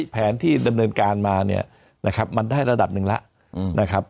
แผนที่ดำเนินการมามันได้ระดับหนึ่งแล้ว